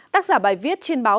tác giả bài viết trên báo thế giới